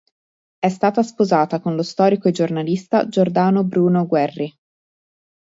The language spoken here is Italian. È stata sposata con lo storico e giornalista Giordano Bruno Guerri.